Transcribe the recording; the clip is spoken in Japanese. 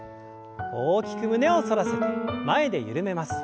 大きく胸を反らせて前で緩めます。